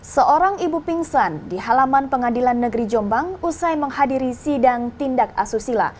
seorang ibu pingsan di halaman pengadilan negeri jombang usai menghadiri sidang tindak asusila